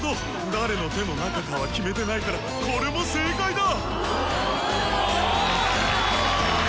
誰の手の中かは決めてないからこれも正解だ！